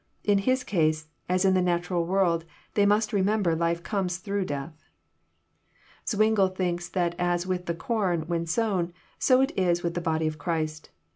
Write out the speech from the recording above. In His case, as in the natural world, they must remember life comes through death. Zwingle thinks that as with the com, when sown, so it Is with the body of Christ.